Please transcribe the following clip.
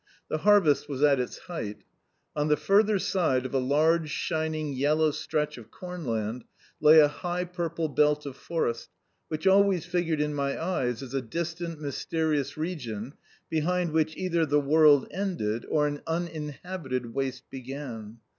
The harvest was at its height. On the further side of a large, shining, yellow stretch of cornland lay a high purple belt of forest which always figured in my eyes as a distant, mysterious region behind which either the world ended or an uninhabited waste began.